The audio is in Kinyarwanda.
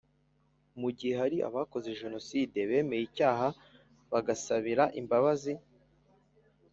Mu gihugu hari abakoze Jenoside bemeye icyaha bagisabira imbabazi